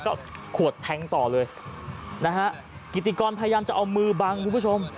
ก็ขวดแทงต่อเลยนะฮะกิติกรพยายามจะเอามือบังคุณผู้ชม